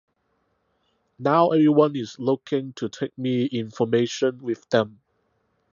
Now everyone is looking to take me in formation with them.